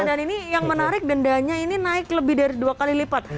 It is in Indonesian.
dan ini yang menarik dendanya ini naik lebih dari dua kali lipat